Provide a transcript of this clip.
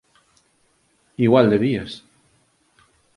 Igual debías.